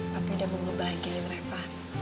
tapi udah mau ngebahagiin reva